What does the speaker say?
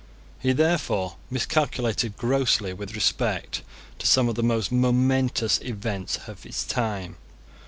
He therefore miscalculated grossly with respect to some of the most momentous events of his time.